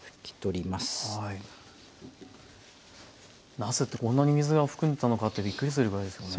なすってこんなに水が含んでたのかってびっくりするぐらいですよね。